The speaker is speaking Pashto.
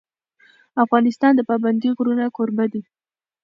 افغانستان د پابندی غرونه کوربه دی.